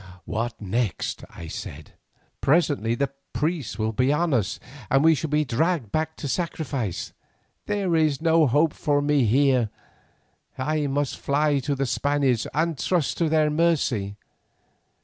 "What next?" I said. "Presently the priests will be on us, and we shall be dragged back to sacrifice. There is no hope for me here, I must fly to the Spaniards and trust to their mercy."